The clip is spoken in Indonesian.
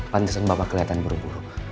pantesan bapak kelihatan buru buru